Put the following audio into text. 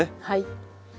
はい。